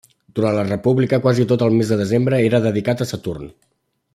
Durant la república quasi tot el mes de desembre era dedicat a Saturn.